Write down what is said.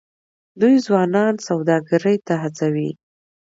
دوی ځوانان سوداګرۍ ته هڅوي.